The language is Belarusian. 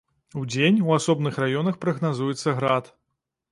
Удзень у асобных раёнах прагназуецца град.